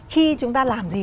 khi chúng ta làm gì